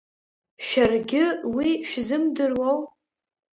Шәаргьы уи шәзымдыруоу?